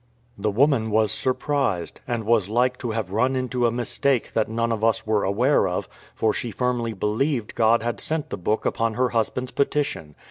The woman was surprised, and was like to have run into a mistake that none of us were aware of; for she firmly believed God had sent the book upon her husband's petition.